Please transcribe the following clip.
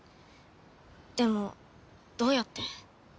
でもどうやって？